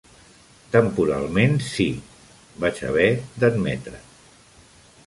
"Temporalment, sí", vaig haver d'admetre.